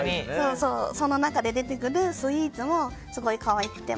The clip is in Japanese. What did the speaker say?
その中で出てくるスイーツもすごく可愛くて。